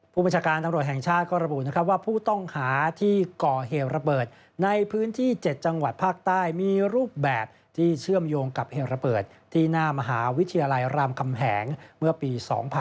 ผู้บัญชาการตำรวจแห่งชาติก็ระบุว่าผู้ต้องหาที่ก่อเหตุระเบิดในพื้นที่๗จังหวัดภาคใต้มีรูปแบบที่เชื่อมโยงกับเหตุระเบิดที่หน้ามหาวิทยาลัยรามคำแหงเมื่อปี๒๕๕๘